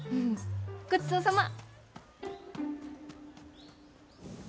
ごちそうさま！